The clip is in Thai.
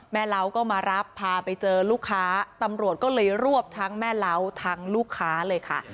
เล้าก็มารับพาไปเจอลูกค้าตำรวจก็เลยรวบทั้งแม่เล้าทั้งลูกค้าเลยค่ะ